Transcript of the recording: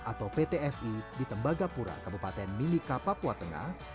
atau pt fi di tembagapura kabupaten mimika papua tengah